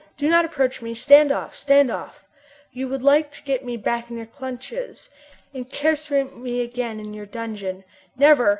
Do not approach me! Stand off! stand off! You would like to get me back in your clutches, incarcerate me again in your dungeon! Never!